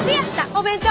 お弁当！